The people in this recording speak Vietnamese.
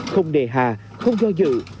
không đề hà không do dự